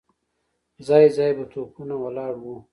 ځای ځای به توپونه ولاړ وو.